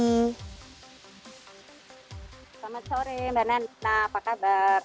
selamat sore mbak nana apa kabar